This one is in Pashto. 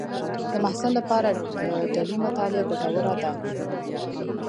د محصل لپاره ډلې مطالعه ګټوره ده.